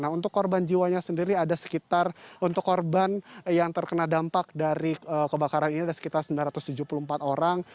nah untuk korban jiwanya sendiri ada sekitar untuk korban yang terkena dampak dari kebakaran ini ada sekitar sembilan ratus tujuh puluh empat orang